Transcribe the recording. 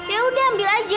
ya udah ambil aja